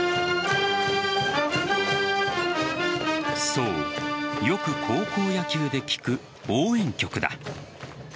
そう、よく高校野球で聞く応援曲だ。